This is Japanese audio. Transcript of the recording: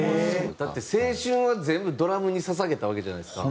だって青春は全部ドラムに捧げたわけじゃないですか。